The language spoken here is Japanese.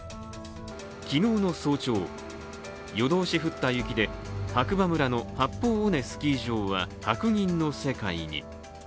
昨日の早朝、夜通し降った雪で白馬村のスキー場は白銀の世界に。